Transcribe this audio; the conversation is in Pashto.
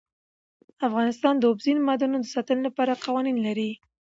افغانستان د اوبزین معدنونه د ساتنې لپاره قوانین لري.